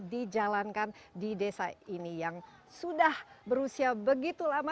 dijalankan di desa ini yang sudah berusia begitu lama